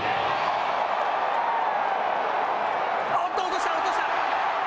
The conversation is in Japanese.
おっと、落とした落とした。